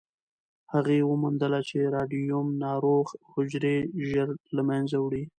هغې وموندله چې راډیوم ناروغ حجرې ژر له منځه وړي.